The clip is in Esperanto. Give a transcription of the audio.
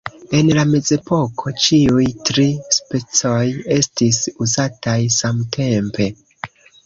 En la Mezepoko ĉiuj tri specoj estis uzataj samtempe.